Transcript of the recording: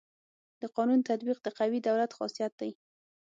د قانون تطبیق د قوي دولت خاصيت دی.